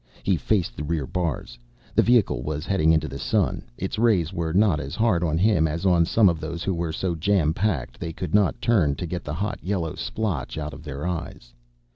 He faced the rear bars. The vehicle was heading into the sun. Its rays were not as hard on him as on some of those who were so jam packed they could not turn to get the hot yellow splotch out of their eyes.